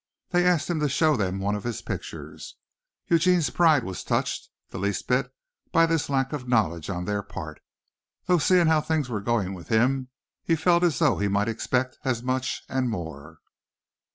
They asked him to show them one of his pictures. Eugene's pride was touched the least bit by this lack of knowledge on their part, though seeing how things were going with him he felt as though he might expect as much and more.